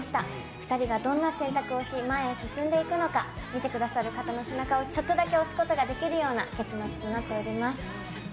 ２人がどんな選択をし、前へ進んでいくのか見てくださる方の背中をちょっとだけ押すことができるような結末になっております。